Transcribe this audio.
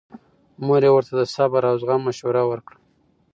مور یې ورته د صبر او زغم مشوره ورکړه.